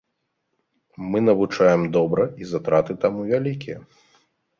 Мы навучаем добра і затраты таму вялікія.